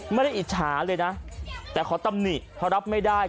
อิจฉาเลยนะแต่ขอตำหนิเพราะรับไม่ได้